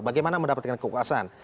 bagaimana mendapatkan kekuasaan